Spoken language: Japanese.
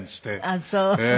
あっそう。